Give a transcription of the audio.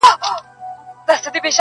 بیا د ښکلیو پر تندیو اوربل خپور سو!